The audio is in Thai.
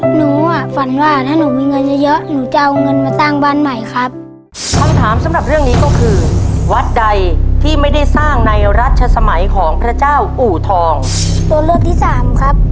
หนูอะฝันว่าถ้าหนูมีเงินเยอะหนูจะเอาเงินมาตั้งบ้านใหม่ครับ